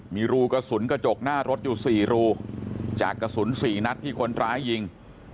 มีรูกระสุนกระจกหน้ารถอยู่๔รูจากกระสุน๔นัดที่คนร้ายยิง